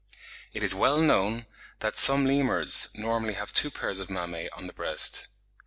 It is well known that some Lemurs normally have two pairs of mammae on the breast.